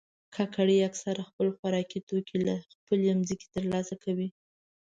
کاکړي اکثره خپل خوراکي توکي له خپلې ځمکې ترلاسه کوي.